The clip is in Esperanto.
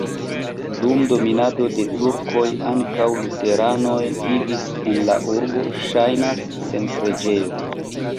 Dum dominado de turkoj ankaŭ luteranoj vivis en la urbo, ŝajnas, sen preĝejo.